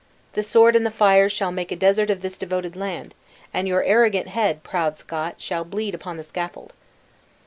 The sword and the fire shall make a desert of this devoted land; and your arrogant head, proud Scot, shall bleed upon the scaffold!"